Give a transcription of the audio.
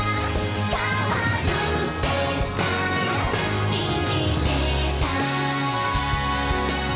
「変わるってさ信じてた」